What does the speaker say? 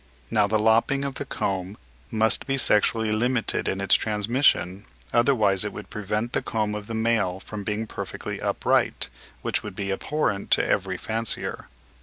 Now the lopping of the comb must be sexually limited in its transmission, otherwise it would prevent the comb of the male from being perfectly upright, which would be abhorrent to every fancier.